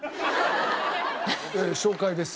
紹介です。